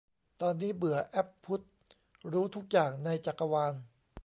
ตอนนี้เบื่อ 'แอ๊บพุทธ' รู้ทุกอย่างในจักรวาล